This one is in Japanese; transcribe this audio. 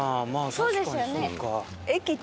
そうですよね。